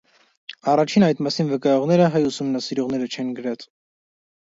Առաջինը այդ մասին վկայողները հայ ուսումնասիրողները չեն գրած։